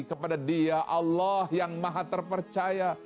kepada dia allah yang maha terpercaya